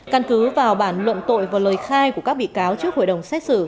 căn cứ vào bản luận tội và lời khai của các bị cáo trước hội đồng xét xử